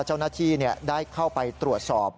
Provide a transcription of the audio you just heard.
เจ้าหน้าที่ได้เข้าไปตรวจสอบ